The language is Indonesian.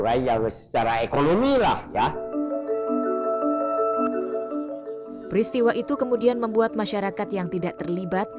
raya secara ekonomi lah ya peristiwa itu kemudian membuat masyarakat yang tidak terlibat